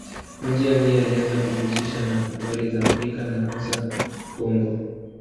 Kwa njia hii alianza kujihusisha na habari za Afrika na hasa Kongo.